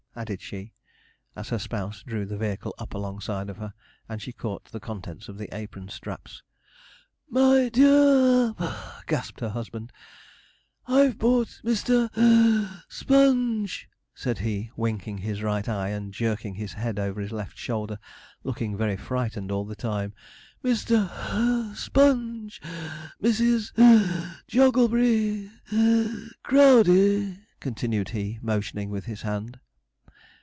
added she, as her spouse drew the vehicle up alongside of her, and she caught the contents of the apron straps. 'My dear (puff)' gasped her husband, 'I've brought Mr. (wheeze) Sponge,' said he, winking his right eye, and jerking his head over his left shoulder, looking very frightened all the time. 'Mr. (puff) Sponge, Mrs. Jogglebury (wheeze) Crowdey,' continued he, motioning with his hand.